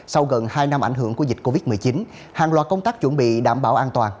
sau gần hai năm ảnh hưởng của dịch covid một mươi chín hàng loạt công tác chuẩn bị đảm bảo an toàn